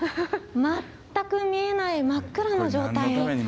全く見えない真っ暗の状態に。